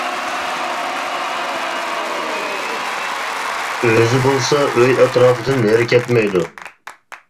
ئۆزى بولسا ئۆي ئەتراپىدىن نېرى كەتمەيدۇ.